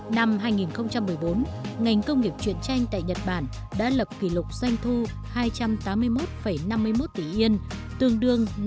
năm hai nghìn một mươi bốn ngành công nghiệp chuyện tranh tại nhật bản đã lập kỷ lục doanh thu hai trăm tám mươi một năm mươi một tỷ yên tương đương năm mươi